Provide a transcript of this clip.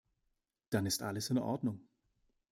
Dann ist alles in Ordnung.